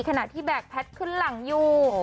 ขณะที่แบกแพทย์ขึ้นหลังอยู่